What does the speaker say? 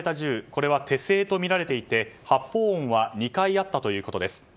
これは手製とみられていて発砲音は２回あったということです。